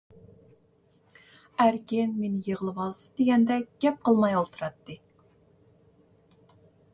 ئەركىن مېنى يىغلىۋالسۇن دېگەندەك گەپ قىلماي ئولتۇراتتى.